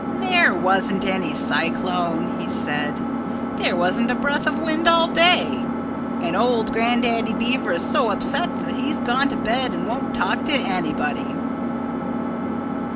"There wasn't any cyclone," he said. "There wasn't a breath of wind all day. And old Grandaddy Beaver is so upset that he's gone to bed and won't talk with anybody."